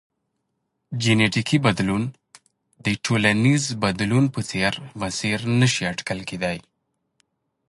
جنیټیکي بدلون د ټولنیز بدلون په څېر مسیر نه شي اټکل کېدای.